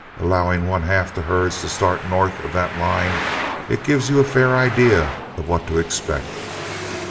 Allowing one half the herds to start north of that line, it gives you a fair idea what to expect.